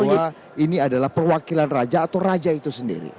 bahwa ini adalah perwakilan raja atau raja itu sendiri